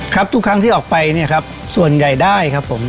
ครับทุกครั้งที่ออกไปส่วนใหญ่ได้ครับผม